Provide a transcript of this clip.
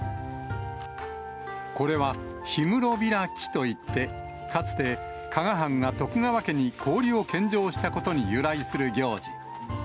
これは氷室開きといって、かつて加賀藩が徳川家に氷を献上したことに由来する行事。